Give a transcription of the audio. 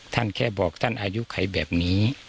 ท่านแค่บอกท่านอายุใครแบบนี้